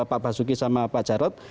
pak basuki sama pak jarod